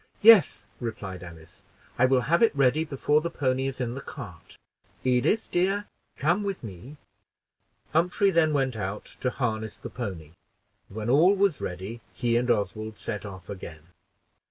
"Yes," replied Alice; "I will have it ready before the pony is in the cart. Edith, dear, come with me." Humphrey then went out to harness the pony, and when all was ready, he and Oswald set off again.